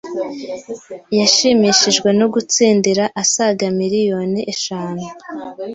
yashimishijwe no gutsindira asaga miliyoni eshanu